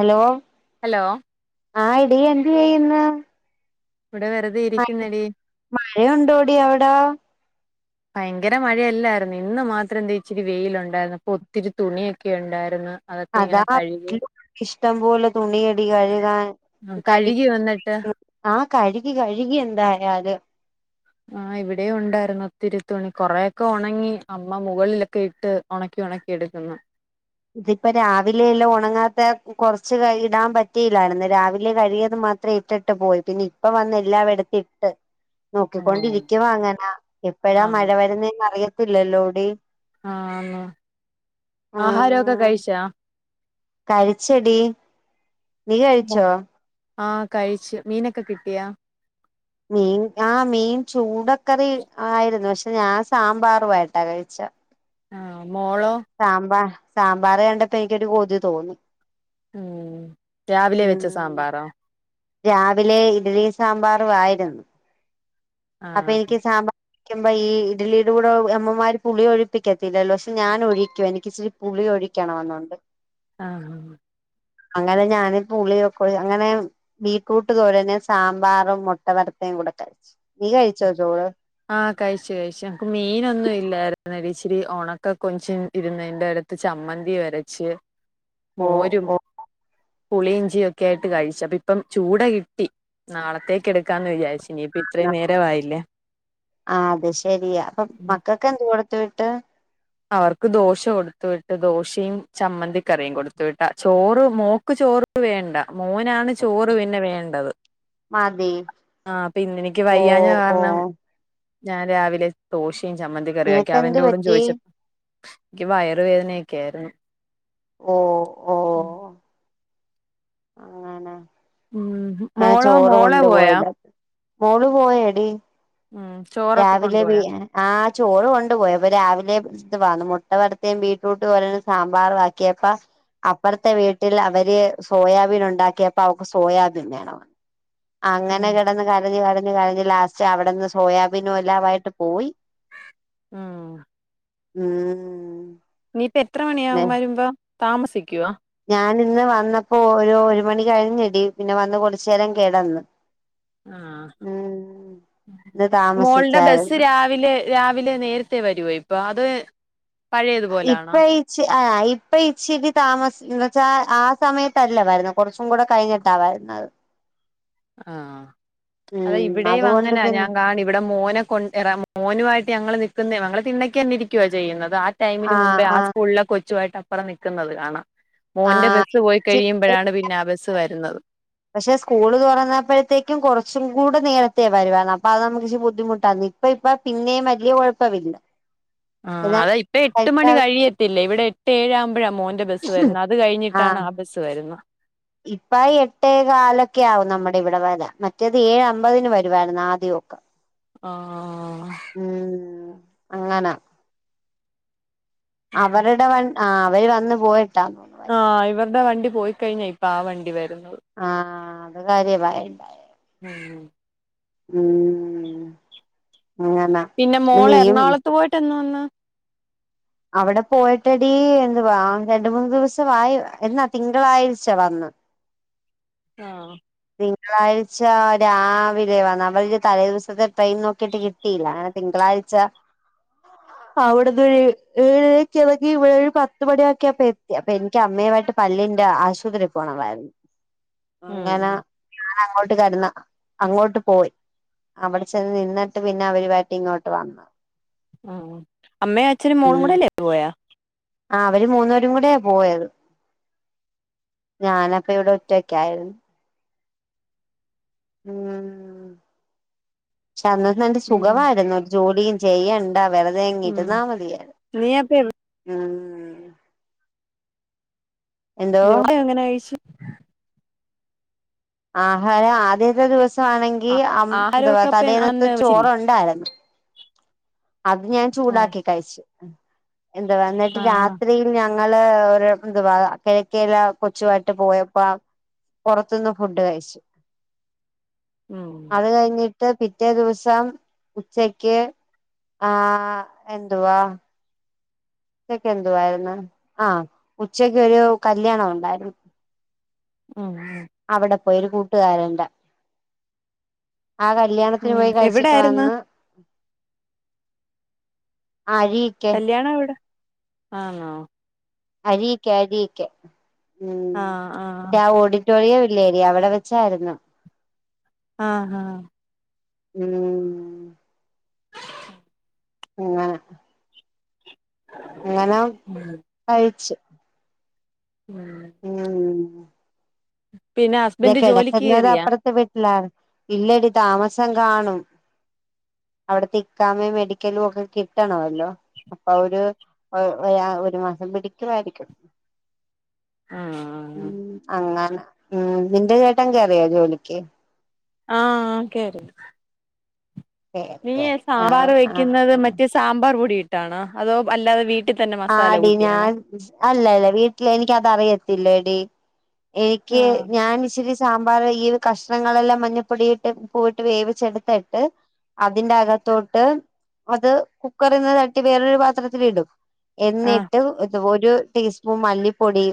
Hello hello ആഹ് എടീ എന്ത് ചെയ്യുന്നു? ഇവടെ വെറ്തെ ഇരിക്ക്ന്നടി മഴയുണ്ടോടി അവിടാ ഭയങ്കര മഴയല്ലായിര്ന്നൊ? ഇന്ന് മാത്രം എന്താ ഇച്ചിരി വെയിലുണ്ടായിര്ന്നു അപ്പൊത്തിരി തുണിയൊക്കെ ണ്ടായിര്ന്നു. അതാ [unintelligible] ഷ്ടംപോലെ തുണിയടി കഴ്കാൻ ഉം, കഴി കഴുകി വന്നിട്ട് [unintelligible] ആഹ് കഴിക്ക കഴികി എന്തായാലും ആഹ് ഇവടെയും ഉണ്ടായിരുന്നു ഒത്തിരി തുണി കൊറെക്കെ ഒണങ്ങി അമ്മ മുകളിലൊക്കെ ഇട്ട് ഒണക്കി ഒണക്കി എട്ക്കുന്നു. ഇതിപ്പോ രാവിലെല്ലാം ഒണങ്ങാത്ത കൊർച്ച് കഴി ഇടാൻ പറ്റില്ലായിര്ന്നു രാവിലെ കഴുകിയത് മാ ത്രേ ഇട്ടിട്ട് പോയി പിന്നെ ഇപ്പൊ വന്ന് എല്ലവടത്തിട്ട്. ആ നോക്കിക്കൊണ്ടിരിക്കുവാ അങ്ങന എപ്പഴാ ആ മഴ വരുന്നെന്ന് അറിയത്തില്ലല്ലോടി. ആന്ന് ഉം ആഹാരൊക്കെ കഴിച്ചാ? കഴിച്ചെടി നീ കഴിച്ചോ? ആഹ് കഴിച്ചു. മീനൊക്കെ കിട്ടിയാ? മീൻ ആഹ് മീൻ ചൂടക്കറി ആയിരുന്നു പക്ഷെ ഞാൻ സാമ്പാറുവായിട്ടാ കഴിച്ച. ആഹ് മോളോ? സാമ്പാ സാമ്പാർ കണ്ടപ്പോ എനിക്കൊരു കൊതി തോന്നി. ഉം രാവിലെ വെച്ച ഉം സാമ്പാറോ? രാവിലെ ഇഡലി, സാമ്പാറു ആയിരുന്നു. ആ അപ്പ എനിക്ക് സാമ്പാ ക്ക്യുമ്പ ഈ ഇഡലിടെ കൂടെ അമ്മമാര് പുളി ഒഴിപ്പിക്കത്തില്ലല്ലോ? പക്ഷെ ഞാനൊഴിക്കും എനിക്കിച്ചിരി പുളി ഒഴിക്കണമെന്നുണ്ട്. അങ്ങനെ അങ്ങനെ ഞാന് പുള്ളിയൊക്കൊഴ് അങ്ങനെ ബീറ്റ്റൂട്ട് തോരന്, സാമ്പാറും മുട്ട വറ്ത്തെം കൂടെ കഴിച്ചു. നീ കഴിച്ചോ ചോറ്? ആഹ് കഴിച്ചു കഴിച്ചു. ക്ക് മീനൊന്നുല്ലായിരുന്നെടി ഇച്ചിരി ഒണക്ക കൊഞ്ചു ഇരുന്നൻ്റെയടു ത്ത് ചമ്മന്തിം അരച്ച് ഓ മോരും ഓ പുളിഞ്ചിയൊക്കയിട്ട് കഴിച്ചു. അപ്പ ഇപ്പം ചൂട കിട്ടി. നാളത്തേക്കെടുക്കാന്ന് വിചാരിച്ച് ഇ ഇത്രേം നേരവായില്ലേ ആഹ് അത് ശെരിയാ അപ്പം മക്കക്കെന്ത് കൊട്ത്ത് വിട്ട്? അവർക്ക് ദോശ കൊട്ത്ത് വിട്ട്. ദോശയും ചമ്മന്തിക്കറിയും കൊട്ത്ത് വിട്ടാ. ചോറ് മോക്ക് ചോറ് റു വേണ്ട മോനാണ് ചോറ് പിന്നെ വേണ്ടത്. മതി ആഹ് അപ്പൊ ഇന്നെനിക്ക് ഓ വയ്യാഞ്ഞ ഓ കാരണം ഞാൻ രാവിലെ ദോശിം ചമ്മന്തി കറിയക്കി. നിനക്കെന്ത് അവൻ്റൊടും പറ്റി ചോയ്ച്ച ൻക്ക് വയറുവേദനയെക്കായിരുന്നു. ഓഹ് ഓഹ് ഉം അങ്ങനെ ഉം ആ മോളോ ചോറ് മോള് കൊണ്ടു പോയ? പോയില്ല മോള് പോയടി. ഉം ചോറൊക്കെ രാവിലെ ബി കൊണ്ടുപോയാ ആഹ് ചോറ് കൊണ്ട് പോയി അപ്പ രാവിലെ ഇതുവാന്ന് മുട്ട വറ്തേം ബീട്രൂട്ട് തോരനും സാമ്പാറും ആക്കിയപ്പ അപ്പറത്തെ വീട്ടിൽ അവര് സോയാബീൻ ഉണ്ടാക്കിയപ്പോ അവക്ക് സോയാബീൻ വേണമെന്ന് ഉം അങ്ങനെ കിടന്ന് കരഞ്ഞ് കരഞ്ഞ് കരഞ്ഞ് ലാസ്റ്റ് അവിടുന്ന് സോയാബീനും എല്ലാവായിട്ട് പോയി ഉം. ഉം ഇനിയിപ്പ എത്ര മണിയാവും വരുമ്പോ താമസിക്കോ? ഞാനിന്ന് വന്നപ്പോ ഒരു ഒരു മണി കഴിഞ്ഞെടി പിന്നെ വന്ന് കൊറച്ചുനെരം കേടാന്ന് ആ ഇന്ന് മോൾ ടെ ബസ്സ് താമസിച്ചായിരുന്നു രാ വിലെ രാവിലെ നേരത്തെ വെരുവോ ഇപ്പ അത് പഴയതുപോലാണോ ഇപ്പൊയി ആ ഇപ്പൊയിച്ചിരി താമസം എന്ത വച്ചാ ആ സമയത്തല്ല വരുന്നെ കുറച്ചും കൂടെ കഴിഞ്ഞി [unintelligible] ആഹ് അത ഉം ഇവിടെയും അതുകൊണ്ട് അങ്ങനാ പിന്നെ ഞാൻ കാണും ഇവിടെ മോനെ കൊണ്ട് എറ മോനുവായിട്ട് ഞങ്ങൾ നിക്കുന്നയാ ഞങ്ങള് തിണക്കെന്നെ ഇരിക്കുവ ചെയ്യുന്നത് ടൈമിന് ആഹ് മുമ്പേ ആ ആഹ് സ്കൂളിലൊ കൊയ്യിട്ട് അപ്പറം നൽക്കുന്നത് കാണാം മോന്റെ ആഹ് ബസ്സ്പോയി കഴിയുമ്പഴാണ് പിന്നാബസ് വരുന്നത് പക്ഷെ സ്കൂള് തുറന്നപ്പോഴത്തേക്കും കുറച്ചും കൂടെ നേരത്തെേ വരുവാണ് അപ്പൊ അത് നമുക്ക് ഇച്ചിരി ബുദ്ധിമുട്ടാക്കി ഇപ്പ ഇപ്പ പിന്നെം വല്യ കൊഴപ്പവില്ല ആഹ് അത ഇപ്പ എട്ട് മണി കഴിയത്തില്ലെ ഇവിടെ എട്ട് ഏഴാകുമ്പോഴാ മോന്റെ ബസ്സ് വരുന്ന അത് കഴിഞ്ഞിട്ടാണ് ആ ബസ്സ് വരുന്ന ഇപ്പയിഎട്ടേ കാലൊക്കെ ആവും നമ്മടെ ഇവിടെ വരാൻ മറ്റേത് ഏഴ് അമ്പതിന് വരുവായിരുന്നു ആദ്യോക്കെ [inaudible] ഓ ഉം അങ്ങനാ അവരുടെ വൺ ആ അവര് വന്നു പോയിട്ടാ ആ ഇവരുടെ വണ്ടി പോയിക്കഴിഞ്ഞാ ഇപ്പാവണ്ടി വരുന്നുള്ള ആഹ് അത് കാര്യ പറയണ്ട ഉം ഉം അങ്ങനെ പിന്നെ മോൾ എറണാകുളത്ത് പോയിട്ട് എന്ന് വന്ന് അവിടെ പോയിട്ടെടി എന്തുവാ രണ്ട് മൂന്ന് ദിവസവായി എന്നാ തിങ്കളാഴ്ച വന്ന് ആഹ് തിങ്കളാഴ്ച രാവിലെ വന്ന് അവര് തലേ ദിവസത്തെ ട്രെയിൻ നോക്കിയിട്ട് കി ട്ടിയില്ല അങ്ങനെ തിങ്കളാഴ്ച അവിടന്ന് ഒരു ഏഴക്കെ ഇളകി അവിടെന്നോര് ഏഴരക്കേറങ്ങി ഏഴ് പത്ത് മണിയൊക്കെയാപ്പോത്തി അപ്പൊ എനിക്ക് അമ്മയുവായിട്ട് പല്ലിന്റെ ആശുപത്രിയി പോണവായിരുന്ന് ഉം അങ്ങന ഞൻ അങ്ങോട്ട് കടന്ന് അങ്ങോട്ട് പോയി അവിടെ ചെന്ന് നിന്നിട്ട് പിന്നെ അവരുവായിട്ടിങ്ങോട്ട് വന്ന് ഉം അമ്മയും അച്ഛനും മോളും ഉം കൂടെയല്ലേ പോയാ ആ അവര് മൂന്ന്പേരും കൂടെയാ പോയത് ഞാനപ്പ ഇവിടെ ഒറ്റക്കായിരുന്ന് ഉം പക്ഷെ അന്ന് നല്ലെ ഉം സുഖവായിരുന്നു ഒരുജോലിയും ചെയ്യ ഉം വേർതേയങ്ങിരുന്നാ മതിയാര്ന്ന് നീ അപ്പ ഉം എന്തോ ജോലി എങ്ങനെ കഴിച്ചു ആഹാരം ആദ്യത്തെ ദിവസവാണെങ്കി ആ അം എന്തുവാ ആഹാരമൊക്കെ അപ്പ തലേന്നത്തെ അന്ന് വെച്ചില്ലേ ചോറുണ്ടായിരുന്നു അത് ഞാൻ ആ ചൂടാക്കി കഴിച്ചു എന്നിട്ട് ആ രാത്രി ഞങ്ങള് ഒരു എന്തുവാ കിഴക്കയില കൊച്ചുമായിട്ട് പോയപ്പോ പുറത്തുന്ന് ഫുഡ് കഴിച്ചു. ഉം അത് കഴിഞ്ഞിട്ട് പിറ്റേ ദിവസം ഉച്ചക്ക് ആഹ എന്തുവാ ഉച്ചക്ക് എന്തുായിരുന്നു ആഹ ഉച്ചക്ക് ഒരു കല്യാണം ഉണ്ടായിരുന്നു ആഹ് അവിടെ പോയൊരു കൂട്ടുകാരന്റെ ആ കല്യാണത്തിന് ഉം പോയി കഴിച്ചിട്ട് എവിടായിരുന്നു വന്ന് ആ ഴീക്ക് ല്ല്യാണ എവിടെ ആണോ അഴിക്കേ അഴിക്കേ ആ ഉം ആ യാ ഓടി വിക്ടോറിയ വില്ലേടി അവിടെ വെച്ചായിരുന്നു ആ ഹാ ഉം ആഹ് അങ്ങനെ ആഹ് കഴിച്ച് ഉം ന്നാ ഉം പിന്നെ ലേ ഹസ്ബൻഡ് ജോലിക്ക് കിടക്കുന്നത് കേറിയാ അപ്പുറത്ത് വിട്ടിലണ് ഇല്ലടി താമസം കാണും അവിടെ ഇക്കാമേയും മെഡിക്കലും ഒക്കെ കിട്ടണല്ലോ അപ്പൊ അവര് വ വരാൻ ഒരു മാസം പിടിക്കുവായിരിക്കും അങ്ങ ഉം നിന്റെ ചേട്ടൻ കേറിയോ ജോലിക്ക് ആ ഓക്കെ കേറി നീയേ കേറി ആഹ് സാമ്പാറ് ആഹ് വെക്കുന്നത് ആഹ് മറ്റേ സാമ്പാർ പൊടി ഇട്ടാണോ അതോ അല്ലാതെ വീ ട്ടി തന്നെ മസാല ആടി കൂട്ടിയാണോ ഞാൻ അല്ല അല്ല വീട്ടില് എനിക്കത അറിയത്തില്ല എടി എനിക്ക് ആഹ് ഞാൻച്ചരി സാമ്പാർ ഈ കഷ്ണങ്ങളെല്ലാം മഞ്ഞപ്പൊടിയിട്ട് പൂവിട്ട് വേവിച്ചെടുത്തിട്ട് അതിന്റെകത്തോട്ട് അത് കുക്കറിൽന്ന് തട്ടി വേറൊരു പാത്രത്തി ഇടും ആഹ് എന്നിട്ട് ത് ഒരു ടീസ്പൂൺ മല്ലിപ്പൊടി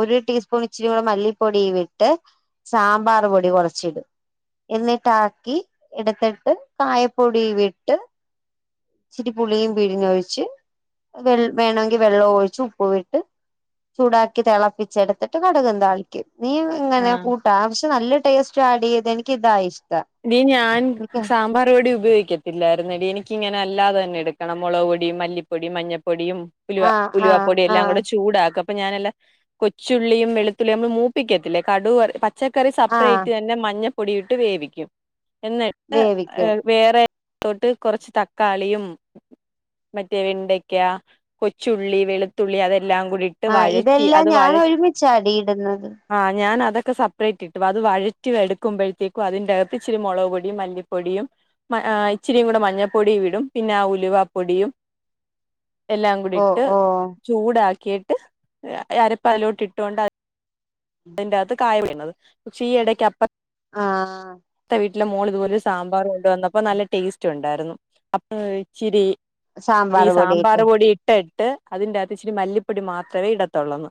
ഒരു ടീസ്പൂൺ ഇച്ചിരി കൂടെ മല്ലിപ്പൊടിയും ഇട്ട് സാമ്പാർ പൊടി കുറച്ച് ഇടും എന്നിട്ടാക്കി എടുത്തിട്ട് കായപ്പൊടിയും വിട്ട് ഇച്ചിരി പുളിയും പിഴിഞ്ഞ് ഒഴിച്ച് വെ വേണമെങ്കിൽ വെള്ളം ഒഴിച്ച് ഉപ്പ് വിട്ട് ചൂടാക്കി തിളപ്പിച്ചെടുത്തിട്ട് കടുകും താളിക്കും നീ ഇങ്ങനെ കൂട്ടാ പക്ഷെ നല്ല ടേസ്റ്റ് ആ ടീ ത് എനിക്ക തായി ഇഷ്ടം ടീ ഞാൻ എനിക്ക് സാമ്പാറ് പൊടി ഉപയോഗിക്ക ഇല്ലായിരുന്നടി എനിക്കിങ്ങനെ അല്ലാതെ തന്നെ എടുക്കണം മുളക് പൊടിയ മല്ലിപ്പൊടിയും മഞ്ഞൾപ്പൊടിയും ഉലുവ ആഹ് ഉലുവ ആഹ് പൊടി എല്ലാം ആഹ് കൂടെ ചൂടാക്കും അപ്പൊ ഞാനല്ല കൊച്ചുള്ളിയും വെളുത്തുള്ളിയും നമ്മള് മൂപ്പിക്കത്തില്ലേ കടു പച്ചക്കറി ആഹ് സെപ്പറേറ്റ് തന്നെ മഞ്ഞൾപ്പൊടിയും ഇട്ട് വേവിക്കും എന്നിട്ട് വേവിക്കും വേറെ തോട്ട് കുറച്ച് തക്കാളിയും മറ്റേ വെണ്ടയ്ക്ക കൊച്ചുള്ളി വെളുത്തുള്ളി അതെല്ലാം കൂടി ഇട്ട് ആഹ് വഴറ്റി ഇതെല്ലാം ഞാൻ ഒരുമിച്ചാടി ഇടുന്നത് ആ ഞാന അതൊക്കെ സെപ്പറേറ്റ് ഇടും അത് വഴറ്റി എടുക്കുമ്പോഴത്തേക്കും അതിൻ്റെ ഇച്ചിരി മുളക് പൊടിയും മല്ലിപ്പൊടിയും മ ആ ഇച്ചിരിക്കുടിയും കൂടെ മഞ്ഞൾപ്പൊടി ഇടും പിന്നെ ആ ഉലുവ പൊടിയും എല്ലാം ഓ കൂടിട്ട് ഓ ചൂടാക്കിയിട്ട് അരപ്പ അലോട്ട് ഇട്ടുകൊണ്ട് അതിന്റെകത്ത് കായ വീണത് പക്ഷേ ഈ ഇടക്ക്പ്പ ആഹ് ത്തെ വീട്ടിലെ മോൾ ഇതുപോലെ സാമ്പാർ കൊണ്ടുവന്നപ്പോ നല്ല ടേസ്റ്റ് ഉണ്ടായിരുന്നു അപ്പ ഇച്ചിരി ഈ സാമ്പാർ പൊടിയിട്ട് സാമ്പറ് പൊടി ഇ ഇട്ട ട്ട് അതിന്റെകത്ത് ഇച്ചിരി മല്ലിപ്പൊടി മാത്രവേ ഇടത്തൊള്ളന്ന്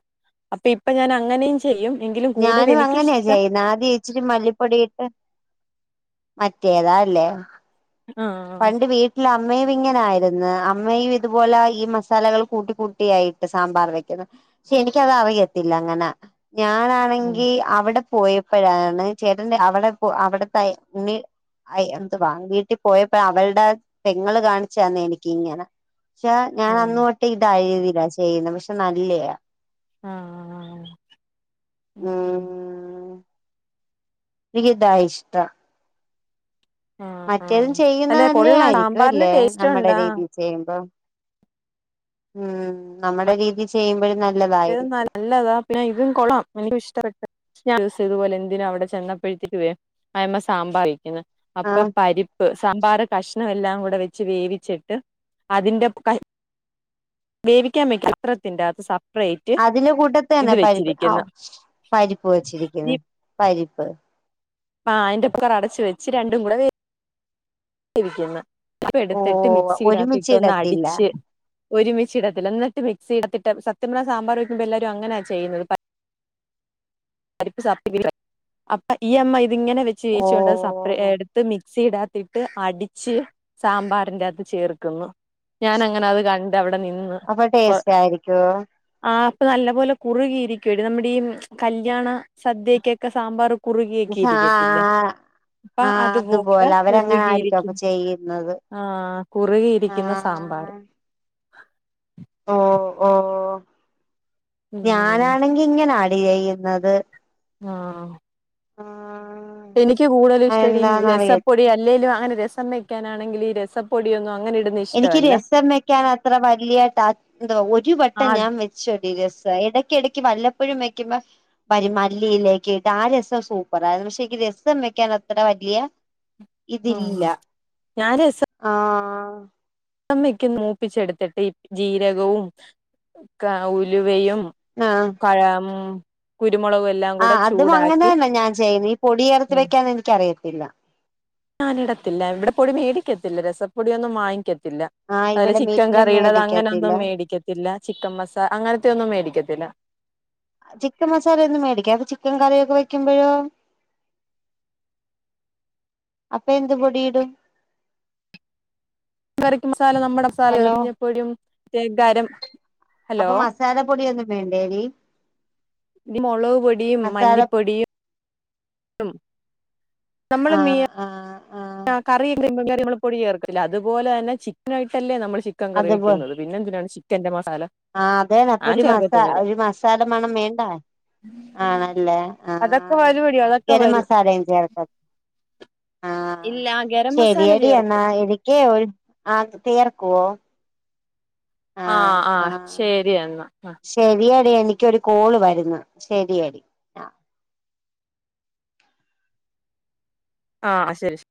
അപ്പൊ ഇപ്പൊ ഞാൻ അങ്ങനെയും ചെയ്യും എങ്കിലും കൂടുതൽ ഞാനും അങ്ങനെയാ എനിക്കിഷ്ടം ചെയ്യുന്ന ആദ്യ ഇച്ചിരി മല്ലിപ്പൊടിയിട്ട് മറ്റേതാല്ലേ ആഹ് പണ്ട് വീട്ട ഇല്ല അമ്മയും ഇങ്ങനൊയിരുന്നു അമ്മയും ഇതുപോലെ ഈ മസാലകൾ കൂട്ടി കൂട്ടിയായിട്ട് സാമ്പാർ വെക്കുന്നു പക്ഷെ എനിക്കത് അവിയത്തില്ല അങ്ങനെ ഞാനാണെങ്കി അവിടെ പോയപ്പോഴാണ് ചേട്ടൻ് അവിടെ പോ അവിടെ ത [unintelligible] അയി എന്തു വാ വീട്ടിൽ പോയ അപ്പ അവളുടെ പെങ്ങൾ കാണിച്ചന്ന എനിക്ക് ഇങ്ങനെ പക്ഷെ ഞാൻ ആഹ് ആഹ് അന്ന്തൊ ഇത്ഴുതില്ല ചെയ്യുന്നത് പക്ഷെ നല്ലയാ ആഹ് ആഹ് ഉം എനിക്കിത ഇഷ്ടം ആഹ് മറ്റേതും ആഹ് ചെയ്യുന്ന അല്ലെ നല്ല കൊള്ളാം ആയിരിക്കും സാമ്പാറിന് അല്ലേ ടേസ്റ്റ് നമ്മുടെ ഉണ്ടാ രീതിൽ ചെയ്യുമ്പം ഉം നമ്മുടെ രീതി ചെയ്യുമ്പോഴും മറ്റേത് നല്ലതായിരിക്കും നല്ലതാ പിന്നെ ഇതും കൊളം എനിക്കും ഇഷ്ടപ്പെട്ട ഞൻ ഇതുപോലെ എന്തിനും അവിടെ ചെന്നപ്പോഴത്തേക്ക് വേ അയ്മ സാമ്പാരിക്കുന്നു അപ്പൊ ആഹ് പരിപ്പ് സാമ്പാറ് കഷ്ണം എല്ലാം കൂടെ വെച്ച് വേവിച്ചിട്ട് അതിൻന്റെ വേവിക്കാൻ വക്കും ഇത്രത്തിന്റെ അത് അതിന്റെ കൂട്ടത്ത തന്നെ പരിപ്പ് ആ പരിപ്പ് വെച്ചിരിക്കുന്നു പരിപ്പ് ആ അയിന്റെ പ്പുകർ അടച്ച് വെച്ച് രണ്ടും കൂടെ വോ വേവിക്കുന്ന് അപ്പ ഓ എടുത്തിട്ട് മിക്സി ഇടത്തിട്ട ഒന്ന് ഒരുമിച്ചിടത്തില്ല അടിച്ച് ഒരുമിച്ചിടത്തില്ല എന്നിട്ട് മിക്സ്ത്തിട്ട് സത്യം പറഞ്ഞ സാമ്പാറ് വെക്കുമ്പോ എല്ലാരും അങ്ങനെയാ ചെയ്യുന്നത് പരിപ്പ് സർട്ടിഫിക്ക അപ്പ ഈ അമ്മ ഇതി ഇങ്ങനെ വെച്ച് ഓ ചേയിച്ചോണ്ട എടുത്ത് മിക്സി ഇടാത്തിട്ട് അടിച്ച് സാമ്പാറിന്റെ അത്ത് ചേർക്കുന്നു ഞാൻ അങ്ങനെ അത് കണ്ട് അവിടെ നിന്ന് അപ്പൊ ടേസ്റ്റ് ആയിരിക്കുവോ ആ അപ്പ നല്ല പോലെ കുറുകിയിരിക്കുവടി നമ്മുടെ ഈ കല്യാണ സദ്യക്കൊക്കെ സാമ്പാർ കുറുകിയക്കെ സാ ഇരിക്കത്തില്ലേ അപ്പ ആഹ് അതുപോലെ അവരങ്ങനെ ആയിരിക്കും കുറുകിയിരിക്കും അപ്പൊ ചെയ്യുന്നത് ആഹ് കുറുകിയിരിക്കുന്ന സാമ്പാർ ആഹ് ഓ ഓ ഉം ഞാനാണെങ്കി ഇങ്ങനെ ആ ഡി ചെയ്യുന്നത് ആഹ് ആഹ് എനിക്ക് കൂടുതല ഇഷ്ട ഡി അതെന്താന്നറിയ രസപൊ ഡി അല്ലെങ്കും അങ്ങനെ രസം വെക്കാണെങ്കിൽ ഈസപ്പൊടി ഒന്നും അങ്ങനെ ഇട് എനിക്ക് രസം വെക്കാൻ അത്ര വലിയ ടാസ് എന്തുവ ഒരു വെട്ടം ആഹ് ഞാൻ വെ ചെടി രസം ഇടക്ക ഇടക്ക് വല്ലപ്പോഴും വെക്കുമ്പോ പരിമല്ലിയിലേക്ക ഇട്ട് ആ രസം സൂപ്പർ ആരുന്നു പക്ഷെ രസം വയ്ക്കാണ് അത്ര വലിയ ഉം [unintelligible] ഇതില്ല ആഹ് അമ്മക്ക് നൂപ്പിച്ചെടുത്തിട്ട് ഈ ജീരകവും ഉലുവയും ആഹ് [unintelligible] കുരുമുളക്കും എ ആഹ് അതും അങ്ങനെ തന്നെ ഞാൻ ചെയ്യുന്ന ഈ പൊടിയേർത്തി ഉം വെക്കാന്ന് എനിക്ക്‌ അറിയത്തില്ല ഞാനിടത്തില്ല ഇവിടെ പൊടി മേടിക്കത്തില്ല രസപ്പൊടിയൊന്നും വാങ്ങിക്കത്തില്ല ആഹ് അതില് ഇവിടെ ചിക്കൻ വീട്ടിലും കറിയുടെ അത് മേടിക്കത്തില്ല അങ്ങനെയൊന്നും മേടിക്കത്തില്ല ചിക്കൻ മസാല അങ്ങനത്തെ ഒന്നും മേടിക്കത്തില്ല ചിക്കൻ മസാല ഒന്നും മേടിക്കാ അപ്പൊ ചിക്കൻ കറിയൊക്കെ വെക്കുമ്പോഴോ അപ്പൊ എന്ത് പൊടിയിടും ചിക്കൻകറിക്ക് മസാല നമ്മുടെ ഹലോ മസാലയിടും മഞ്ഞപ്പൊടിം ഗരം ഹലോ അപ്പൊ മസാല പൊടി ഒന്നും വേണ്ടടി ടി മുളക് പൊടിയും മല്ലിപ്പൊടി യും നമ്മൾ മിയ ആഹ് ആഹ് ആഹ് കറിയും മീൻ കറി നമ്മൾ പൊടി ചേർക്ക്ത്തില്ലി അതുപോലെ തന്നെ ചിക്കനിട്ടല്ലേ നമ്മൾ ചിക്കൻ കറി വെക്കുന്നത് പിന്നെ എന്തിനാണ് ചിക്കന്റെ മസാല ആഹ് അതെന്നെ അപ്പൊ ഞാൻ ഒരു മസ ചേർക്കത്തൊന്നുമില്ല ഒരു മസാല മണം വേണ്ട ആണല്ലേ അതൊക്കെ ആഹ് വരുവെടി അതൊക്കെ ഗര വരും മസാലയും ചേർക്കും ആഹ് ഇല്ല ഗരം മസാല ശരിയടി എന്ന ചേർക്കും എനിക്കെ ഒരു ആഹ് തീർക്കുവോ ആ ആഹ് ആ ആഹ് ശരി എന്നാ ആഹ് ശരിയടി എനിക്കൊരു കോള് വരുന്ന് ശരിയടി ആ ആഹ് ശരി ശരി